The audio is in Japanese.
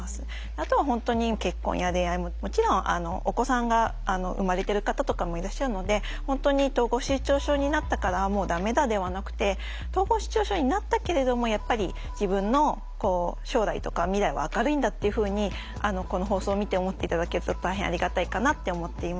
あとは本当に結婚や恋愛ももちろんお子さんが生まれてる方とかもいらっしゃるので本当に統合失調症になったからもうダメだではなくて統合失調症になったけれどもやっぱり自分の将来とか未来は明るいんだっていうふうにこの放送を見て思って頂けると大変ありがたいかなって思っています。